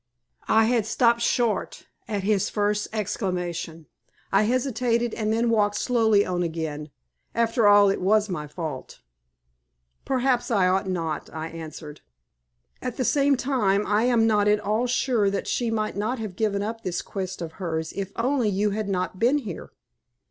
I had stopped short at his first exclamation. I hesitated and then walked slowly on again. After all it was my fault. "Perhaps I ought not," I answered. "At the same time I am not at all sure that she might not have given up this quest of hers if only you had not been here."